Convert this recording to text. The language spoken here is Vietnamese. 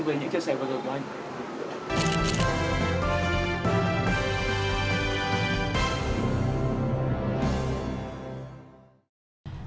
về những chia sẻ vừa rồi của anh